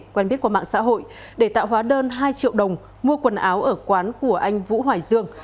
quen biết qua mạng xã hội để tạo hóa đơn hai triệu đồng mua quần áo ở quán của anh vũ hoài dương